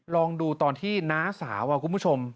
ลองดูตอนที่น้าสาวคุณผู้ชม